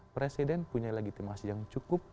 presiden punya legitimasi yang cukup